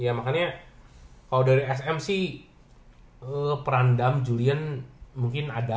ya makanya kalau dari sm sih peran dam julian mungkin ada